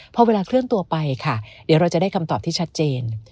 พอเวลาเคลื่อนตัวไปค่ะเดี๋ยวเราจะได้คำตอบที่ชัดเจน